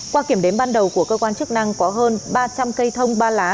qua kiểm đếm ban đầu của cơ quan chức năng có hơn ba trăm linh cây thông ba lá